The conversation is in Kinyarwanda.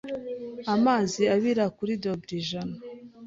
Amazi abira kuri dogere ijana